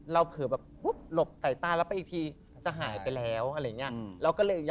เผลอแบบปุ๊บหลบใส่ตาแล้วไปอีกทีจะหายไปแล้วอะไรอย่างนี้